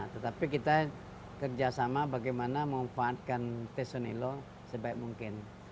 tetapi kita kerjasama bagaimana mengunfaatkan teso nilo sebaik mungkin